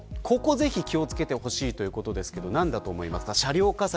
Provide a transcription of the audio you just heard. ここぜひ、気を付けてほしいということですが何だと思いますか。